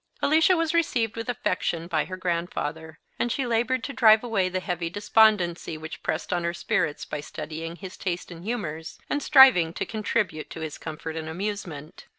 Alicia was received with affection by her grandfather; and she laboured to drive away the heavy despondency which pressed on her spirits by studying his taste and humours, and striving to contribute to his comfort and amusement.